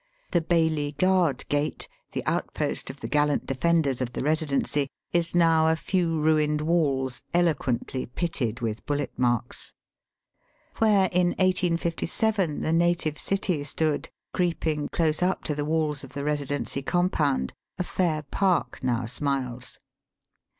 The Baillie Guard Gate, the outpost of the gallant defenders of the Eesidency, is now a few ruined walls eloquently pitted with bullet marks. "Where in 1857 the native city stood, creeping close up to the walls of the Eesidency compound, a fair park now smiles.